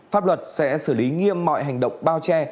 pháp luật sẽ xử lý nghiêm mọi hành động bao che